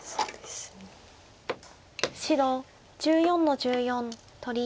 白１４の十四取り。